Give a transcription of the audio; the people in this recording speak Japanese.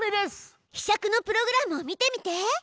ひしゃくのプログラムを見てみて。